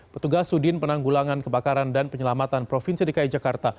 petugas sudin penanggulangan kebakaran dan penyelamatan provinsi dki jakarta